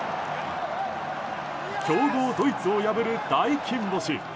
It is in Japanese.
強豪ドイツを破る大金星。